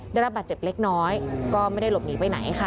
ได้รับบาดเจ็บเล็กน้อยก็ไม่ได้หลบหนีไปไหนค่ะ